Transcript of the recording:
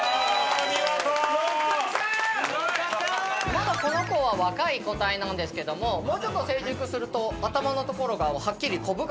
まだこの子は若い個体なんですけどももうちょっと成熟すると頭の所がはっきりこぶが出っ張りまして。